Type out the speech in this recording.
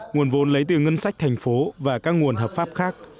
nguồn vốn lấy từ ngân sách thành phố và các nguồn hợp pháp khác